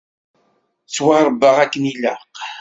Ttwaṛebbaɣ akken ilaq.